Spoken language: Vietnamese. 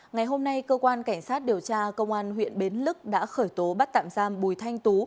ngày hôm nay cơ quan cảnh sát điều tra công an huyện bến lức đã khởi tố bắt tạm giam bùi thanh tú